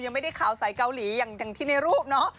ไม่ได้ข่าวใสเกาหลีอย่างที่ในรูปเนาะ